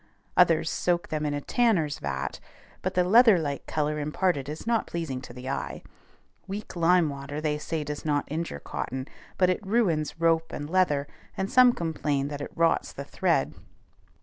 Others soak them in a tanner's vat; but the leather like color imparted is not pleasing to the eye. Weak lime water they say does not injure cotton; but it ruins rope and leather, and some complain that it rots the thread.